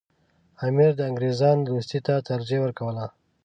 امیر د انګریزانو دوستۍ ته ترجیح ورکوله.